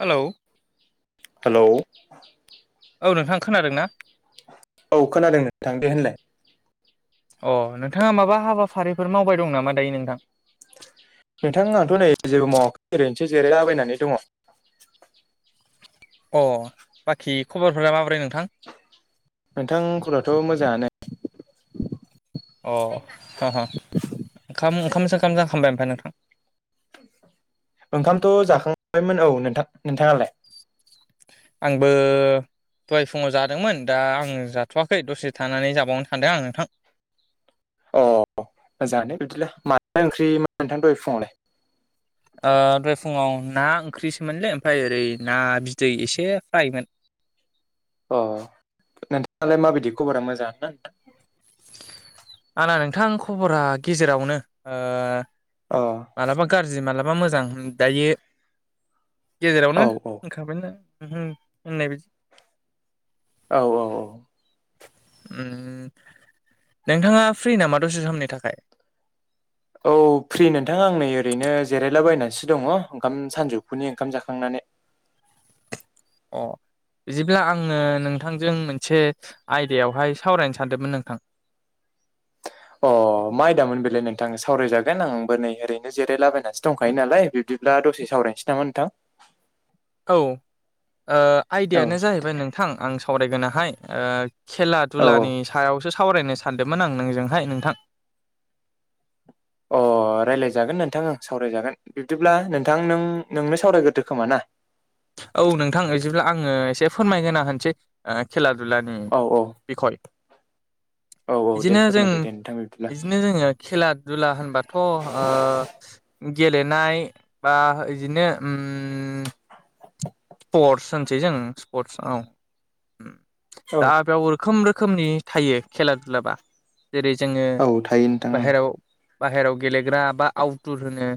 Hello hello. औ नोंथां खोनादों ना? औ खोनादों नोंथां दे होनलाय। अ नोंथाङा माबा हाबाफारिफोर मावबाय दं नामा दायो नोंथां। नोंथां आंथ' नै जेबो मावाखै ओरैनोसो जिरायलाबायनानै दङ। ओ बाखि खबरफोरा माबोरै नोंथां। नोंथां खबराथ' मोजाङानो। अह हो हो ओंखाम ओंखाम सोंखाम जाखांबाय ओमफाय नों ओंखामथ' जाखांबायमोन औ नोंथां नोंथाङालाय आंबो दहाय फुङाव जादोंमोन दा आङो जाथ'वाखै दसे थानानै जाबावनो सानदों आं नोंथां अह मोजाङानो बिदिब्ला माथो ओंख्रि मोन नोंथां दहाय फुङावलाय ओ दहाय फुङाव ना ओंख्रिसोमोनलै ओमफ्राय ओरै ना बिदै एसे फ्रायमोन अह नोंथाङालाय माबायदि खबरा मोजाङानो ना आंना नोंथां खबरा गेजेरावनो ओ अ मालाबा गाज्रि मालाबा मोजां हों दायो औ गेजेरावनो [unintelligible] औ औ औ ओम नोंथाङा फ्रि नामा दसे समनि थाखाय [unintelligible] औ फ्रि नोंथां आं नै ओरैनो जिरायलाबायनानैसो दङ ओंखाम सानजौफुनि ओंखाम जाखांनानै अह बिदिब्ला आङो नोंथांजों मोनसे आयदायावहाय सावरायनो सानदोंमोन नोंथां [unintelligible] अह मा आयदामोन बेलाय नोंथां सावरायजागोन आंबो नै ओरैनो जिरायलाबायनासो दंखायो नालाय बिब्दि बिदिब्ला दसे सावरायनोसै नामा नोंथां [unintelligible] औ ओ औ आयदायानो जाहैबाय नोंथां आं सावरायगोनाहाय ओ खेला औ दुलानि सायावसो सावरायनो सानदोंमोन आं नोंजोंहाय नोंथां अह अ रायज्लायजागोन नोंथां ओं सावरायजागोन बिब्दिब्ला नोंथां नों नोंनो सावरायग्रोदो खोमा ना औ नोंथां इदिब्ला आङो एसे फोरमायगोरना होनसै ओ खेला दुलानि औ औ बिखय औ औ दे बिदिनो जों फोरमायदो दे नोंथां बिब्दिब्ला बिदिनो जोङो खेला दुला होनबाथ' ओ गेलेनाय बा इदिनो ओम स्पर्टस होनसै जों स्पर्टस औ ओम औ दा बेयाव रोखोम रोखोम रोखोमनि थायो खेला दुलाबा जेरै जोङो औ थायो नोंथां औ बाहेराव बाहेराव गेलेग्रा बा आउटदुर होनो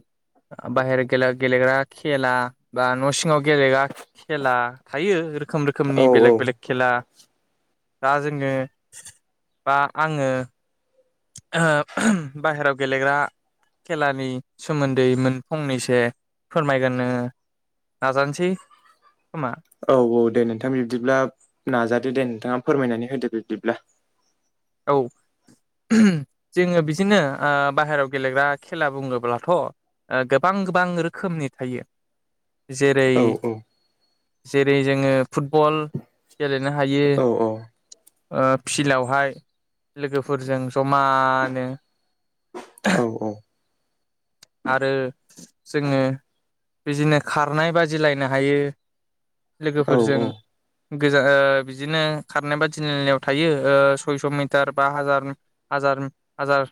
बाहेर खेला गेलेग्रा खेला बा न' सिङाव गेले खेला थायो रोखोम रोखोमनि औ औ बेलेक बेलेक खेला दा जोङो बा आङो बाहेराव गेलेग्रा खेलानि सोमोन्दै मोन फंनैसो फोरमायगोननो नाजानोसै खोमा औ औ दे नोंथां बिब्दिब्ला नाजादो दे नोंथाङा फोरमायनानै होदो बिब्दिब्ला औ जोङो बिदिनो ओ बाहेरायाव गेलेग्रा खेला बुङोब्लाथ' ओ गोबां गोबां रोखोमनि थायो जेरै औ जेरै जोङो फुटबल गेलेनो हायो औ ओ फिलआवहाय लोगोफोरजों जमानो औ आरो जोङो बिदिनो खारनाय बादिलायनो हायो लोगोफोरजों औ गोजा ओ बिदिनो खारनाय बादिलायनायाव थायो ओ सयस' मिथ मिथार बा हाजार हाजार हाजार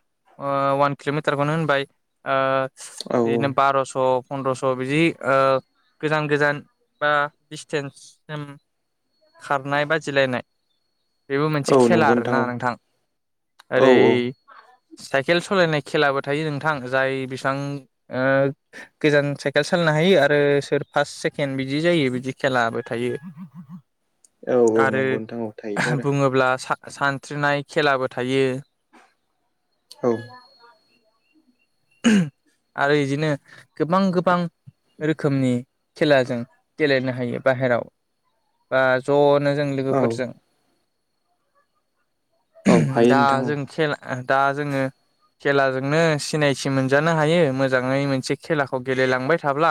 ओ वान किल'मिटारखौनो होनबाय ओ औ बिदिनो बार'स' फन्द्र'स' बिदि ओ गोजान गोजान बा डिसटेन्ससिम खारनाय बाजिलायनाय बेबो मोनसे औ खेला नंगौ औ आरोना नोंथां। औ औ ओरै साइकेल सालायनाय खेलाबो थायो नोंथां जाय बेसां ओ गोजान साइकेल सालायनो हायो आरो सोर फार्स्ट सेकेण्ड बिदि जायो बिदि खेलाबो थायो। औ औ आरो नंगौ नोंथां औ थायोथ' आरो बुङोब्ला सा-सानस्रिनाय खेलाबो थायो। औ आरो इदिनो गोबां गोबां रोखोमनि खेलाजों गेलेनो हायो बाहेराव बा ज'नो जों औ लोगोफोरजों औ हायो दा नोंथां औ जों खेला दा जोङो खेलाजोंनो सिनायथि मोनजानो हायो मोजाङै मोनसे खेलाखौ गेलेलांबाय थाब्ला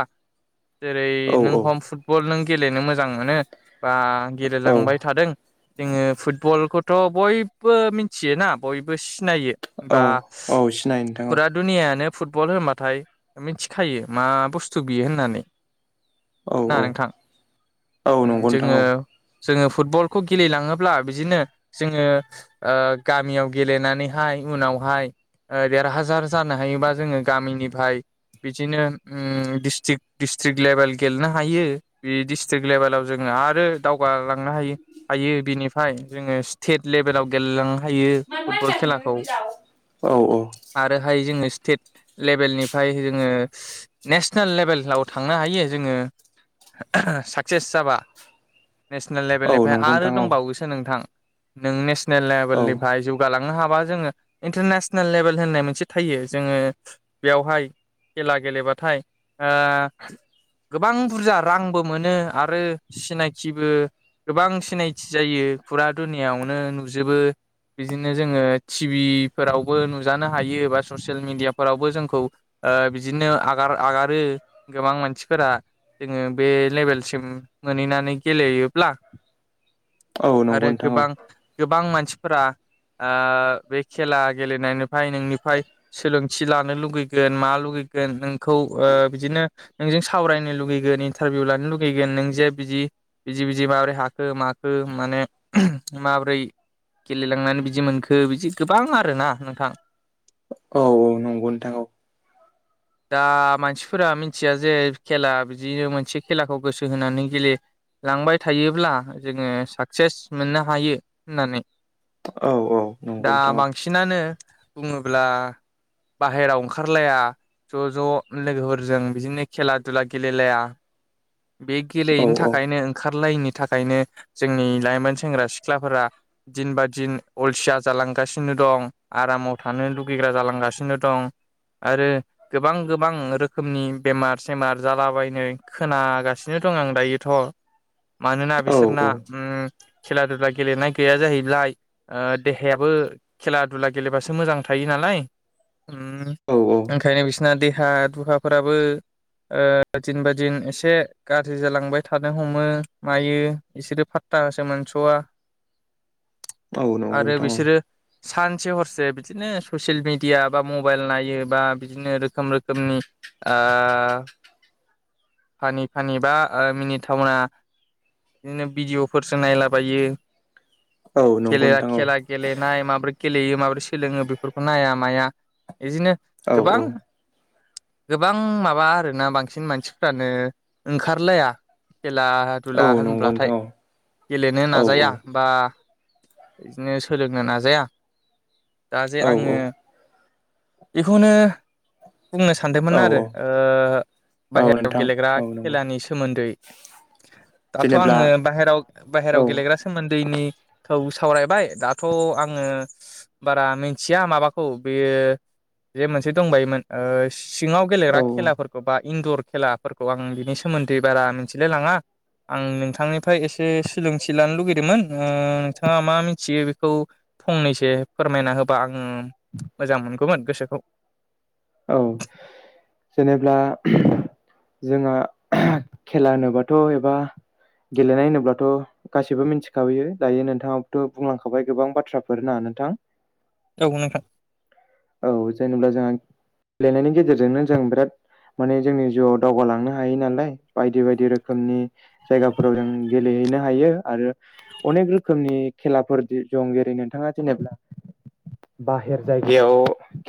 जेरै औ नों हम फुटबल नों गेलेनो मोजां मोनो बा औ गेलेलांबाय थादों। जोङो फुटबलखौथ' बयबो मिथियोना बयबो सिनायो औ बा औ सिनायो नोंथां औ। फुरा दुनियानो फुटबल होनबाथाय मिथिखायो मा बुस्थु बियो होननानै। औ औ। औ उम्म नंगौ नोंथां जोङो औ जोङो फुटबलखौ गेलेलाङोब्ला बिदिनो जोङो ओ गामियाव गेलेनानैहाय उनावहाय ओ देरहाजार जानो हायोबा जोङो गामिनिफ्राय बिदिनो उम्म दिस्टिक डिस्ट्रिक लेभेल गेलेनो हायो बे डिस्ट्रिक लेभेलाव जोङो आरो दावगालांनो हायो हायो बिनिफाय जोङो स्टेट लेभेलाव गेलेलांनो हायो मानो फुटबल खेलाखौ। रायज्लायखो दाव औ औ। आरोहाय जोङो स्टेट लेभेलनिफाय जोङो नेसनेल लेभेलाव थांनो हायो। जोङो साक्सेस जाबा नेसनेल औ लेभेलनिफ्राय नंगौ आरो नोंथां औ दंबावोसो नोंथां नों नेस नेल औ लेभेलनिफ्राय जौगालांनो हाबा जोङो इन्टारनेसनेल लेभेल होननाय मोनसे थायो जोङो बेवहाय खेला गेलेबाथाय ओ गोबां बुरजा रांबो मोनो आरो सिनायथिबो गोबां सिनायथि जायो। बे फुरा दुनियायावनो नुजोबो। बिदिनो जोङो टिभिफोरावबो नुजानो हायो बा ससियेल मिडियाफोरावबो जोंखौ ओ बिदिनो आगार आगारो गोबां मानसिफोरा जोङो बे लेबेलसिम मोनहैनानै गेलेयोब्ला औ नंगौ आरो नोंथां औ गोबां गोबां मानसिफोरा ओ बे खेला गेलेनायनिफ्राय नोंनिफ्राय सोलोंथि लानो लुगैगोन मा लुगै गोन नोंखौ ओ बिदिनो नोंजों सावरायनो लुुगैगोन इन्टारभिउ लानो लुुगैगोन नों जे बिदि बिदि बिदि माब्रै हाखो माखो माने माबो ब्रै गेलेलांनानै बिदि मोनखो बिदि गोबां आरोना नोंथां। औ औ नंगौ नोंथां औ। दा मानसिफोरा मिथिया जे खेला बिदिनो मोनसे खेलाखौ गोसो होनानै गेले लांबाय थायोब्ला जोङो साक्सेस मोननो हायो होननानै औ औ नंगौ दा नोंथां बांसिनानो बुङोब्ला बाहेराव ओंखारलाया ज' ज' लोगोफोरजों बिदिनो खेला दुला गेलेलाया बे औ गेलेयैनि थाखायनो ओंखारलायैनि थाखायनो जोंनि लाइमोन सेंग्रा सिख्लाफोरा दिन बा दिन अलसिया जालांगासिनो दं आरामाव थानो लुगैग्रा जालांगासिनो दं। आरो गोबां गोबां रोखोमनि बेमार सेमार जालाबायनाय खोनागासिनो दं आं दायोथ' मानोना औ बिसोरना उम खेला-दुला गेलेनाय गैया जाहैब्लाय देहायाबो खेला-दुला गेलेबासो मोजां थायो नालाय उम औ ओंखायनो बिसना देहा-दुहाफोराबो ओ दिन बा दिन एसे गाज्रि जालांबाय थासो मोनस'आ औ नंगौ नोंथां औ बिसोरो सानसे हरसे बिदिनो ससियेल ओ फानि-फानि बा ओ मिनिथावना बिदिनो भिडिअ'फोरसो नायलाबायो औ औ नंगौ खेलाया नोंथां औ खेला गेलेनाय माब्रै गेलेयो माबोरै सोलोङो बेफोरखौ नाया माया बिदिनो औ गोबां औ गोबां माबा आरोना बांसिन मानसिफ्रानो ओंखारलाया खेला दुला औ नंगौ होनब्लाथाय नोंथां गेलेनो औ नाजाया बा बिदिनो सोलोंनो नाजाया दा जे औ आङो बिखौनो बुंनो औ सानदोंमोन आरो ओ औ बाहेरायाव नोंथां गेलेग्रा औ नंगौ खेलानि सोमोन्दै दाथ' जेनेब्ला आङो बाहेराव औ बाहेराव गेलेग्रा सोमोन्दैनिखौ सावरायबाय दाथ' आङो बारा मिथिया माबाखौ बे बे जे मोनसे दंबायोमोन ओ सिङाव औ गेलेग्रा खेलाफोरखौ बा इन्दर खेलाफोरखौ आं बिनि सोमोन न्दै बारा मिथिलाय लाङा आं नोंथांनिफ्राय एसे सोलोंथि लानो लुुगै दोमोन ओ नोंथाङा मा मिथियो बिखौ फंनैसो फोरमायना होबा आं मोजां मोनगौमोन गोसोखौ औ जेनेब्ला जोंहा खेला होनोबाथ' एबा गेलेनाय होनोब्लाथ' गासिबो मिथिखाबोयो दायो नोंथाङाबोथ' बुंलांखाबाय गोबां बाथ्राफोर ना नोंथां। औ औ नोंथां जेनेबा जाहा गेलेनायनि गेजेरजोंनो जों बिराद माने जोंनि जिउआव दावगालांनो हायो नालाय बायदि बायदि रोखोमनि जायगाफोराव जों गेलेयो हैनो हायो आरो अनेक रोखोमनि खेलाफोर दं जेरै नोंथाङा जेनेबा बाहेर जायगायाव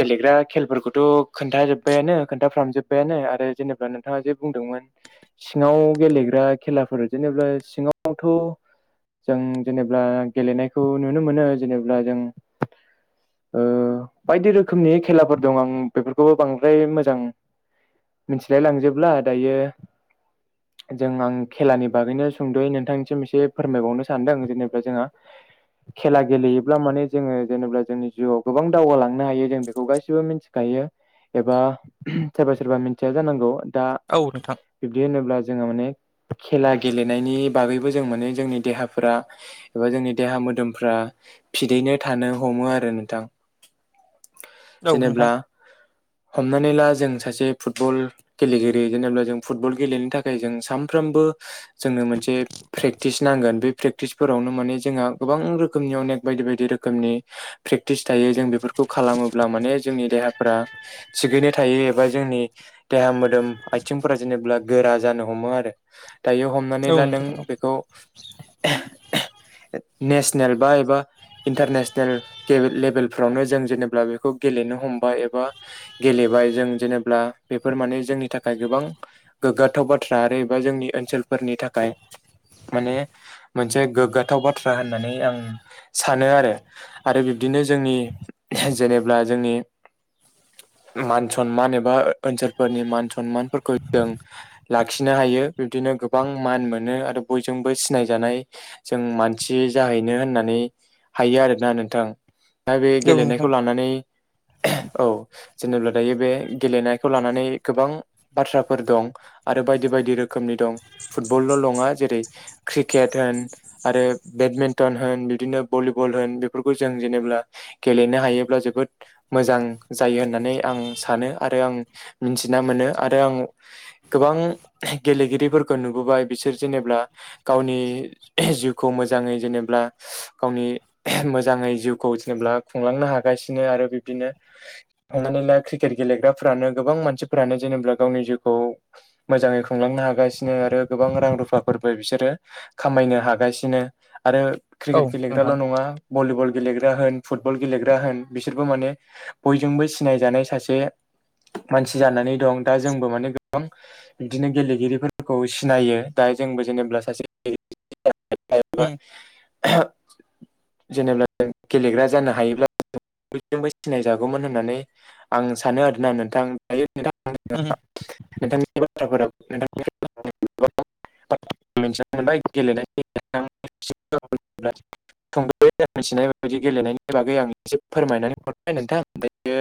गेलेग्रा खेलफोरखौथ' खोन्थाजोबबायानो‌। खोन्थाफ्रामजोब्बायानो आरो जेनेबा नोंथाङा जे बुंदोंमोन सिङाव गेलेग्रा खेलाफोर जेने बा सिङावथ' जों जेनेब्ला गेलेनायखौ नुनो मोनो जेनेब्ला जों ओ बायदि रोखोमनि खेलाफोर दं आं बेफोरखौबो बांद्राय मोज जां मिथिलाय लांजोबला दायो जों आं खेलानि बागैनो सुंद'यै नोंथांनिसिम एसे फोरमायबावनो सानदों जेनेबा जोंहा खेला गेलेयोब्ला माने जोङो जेनेबा जोंनि जिउआव गोबां दावगालांनो हायो जों बेखौ गासिबो मिथि खायो एबा सोरबा सोरबा मिथिया जानांगौ दा औ नोंथां बिब्दि होनोब्ला जोङो माने खेला गेलेनायनि बागैबो जों माने जोंनि देहाफोरा एबा जोंनि देहा मोदोमफ्रा फिदैनो थानो हमो आरो नोंथां। [inaudible] औ जेनेब्ला नोंथां हमनानै ला जों सासे फुटबल गेलेगिरि जेनेबा जों फुटबल गेलेनो थाखाय जों सानफ्रामबो जों मोनसे प्रेक्टिस नांगोन बे प्रेक्टिसफोरावनो माने जोंहा गोबां रोखोमनि अनेक बायदि बायदि रोखोम नि फ्रेक्टिस थायो जों बेफोरखौ खालामोब्ला माने जोंनि देहाफोरा थिगैनो थायो एबा जोंनि देहा मोदोम आथिंफोरा जेनेब्ला गोरा जानो हमो आरो। दायो हमनानै औ ला नों नोंथां औ बेखौ नेसनेल बा एबा इन्टारनेसनेल लेभेलफ्रावनो जों जेनेबा बेखौ गेलेनो हमबाय एबा गेले बाय जों जेनेब्ला बेफोर माने जोंनि थाखाय गोबां गोग्गाथाव बाथ्रा आरो एबा जोंनि ओनसोल फोरनि थाखाय माने मोनसे गोग्गाथाव बाथ्रा होननानै आं सानो आरो आरो बिब्दि नो जोंनि जेनेब्ला जोंनि [inaudible] मान सनमान एबा ओनसोलफोरनि मान सनमानफोरखौ जों लाखिनो हायो बिबदिनो गोबां मान मोनो आरो बयजोंबो सिनायजानाय जों मानसि जाहैनो होननानै हायो आरोना नोंथां दा बे नोंथां गेलेनायखौ लानानै औ जेनेब्ला दायो बे गेलेनायखौ लानानै गोबां बाथ्राफोर दं आरो बायदि बायदि रोखोमनि दं फुटबल' नङा जेरै क्रिकेट होन आरो बेटमिनटन होन बिदिनो भलिबल होन बेफोरखौ जों जेनेब्ला गेलेनो हायोब्ला जोबोद मोजां जायो होननानै आं सानो आरो आं मिथिना मोनो आरो आं गोबां गेलेगिरि फोरखौ नुबोबाय बिसोर जेनेब्ला गावनि जिउखौ मोजाङै जेनेब्ला गावनि मोजाङै जिउखौ जेनेब्ला खुंलांनो हागासिनो आरो बिब्दिनो साननानै ला क्रिकेट गेलेग्राफ्रानो गोबां मानसिफोरानो जेनेब्ला गावनि जिउखौ मोजाङै खुंलां नो हागासिनो आरो गोबां रां रुफाफोरबो बिसोरो खामायनो हागासिनो। आरो औ क्रिकेट गेलेग्राल' नोंथां नङा‌ भलिबल गेलेग्रा होन फुटबल गेलेग्रा होन बिसोरबो माने बय जोंबो सिनायजानाय सासे मानसि जानानै दं दा जोंबो माने गोबां बिदिनो गेलेगिरिफोरखौ सिनायो दा जोंबो जेनोब्ला सासे ओम जेनेब्ला गेलेग्रा जानो हायोब्ला बयजोंबो सिनाय जागोन। होननानै आं सानो आरोना नोंथां दायो नोंथांनि उम [unintelligible] नोंथांनि बाथ्राफोरा बाय गेलेनाय [unintelligible] [unintelligible] बेदि गेलेनायनि बागै आं एसे फोरमायनानै हरबाय नोंथां दायो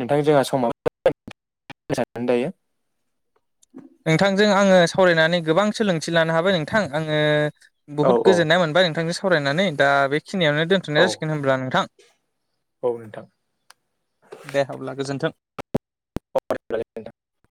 नोंथां जोंहा समाबो जाबाय। [unintelligible] दायो। नोंथांजों आङो सावरायनानै गोबां सोलोंथि लानो हाबाय नोंथां आङो औ बुहुत औ गोजोन्नाय मोनबाय नोंथांजों सावरायनानै दा बे खिनियावनो औ दोन्थ'नाय जासिगोन होनब्ला नोंथां। औ दे अब्ला गोजोन्थों। [unintelligible]